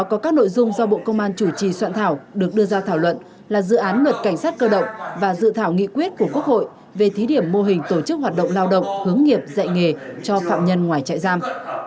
có các nội dung do bộ công an chủ trì soạn thảo được đưa ra thảo luận là dự án luật cảnh sát cơ động và dự thảo nghị quyết của quốc hội về thí điểm mô hình tổ chức hoạt động lao động hướng nghiệp dạy nghề cho phạm nhân ngoài trại giam